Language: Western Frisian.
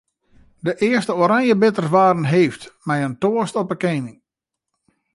De earste oranjebitters waarden heefd mei in toast op 'e kening.